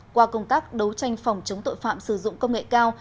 qua công tác đấu tranh phòng chống tội phạm sử dụng công nghệ cao